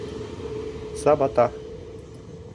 Сабата!